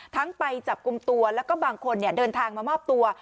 ไปจับกลุ่มตัวแล้วก็บางคนเดินทางมามอบตัว